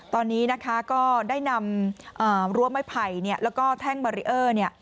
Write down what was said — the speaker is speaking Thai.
ตอนนี้ก็ได้นำรวมให้ไผ่แล้วก็แท่งบารีเออร์